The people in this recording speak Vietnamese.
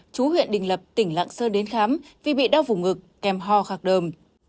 chú huyện đình lập tỉnh lạng sơn đến khám vì bị đau vùng ngực kem ho khắc đơm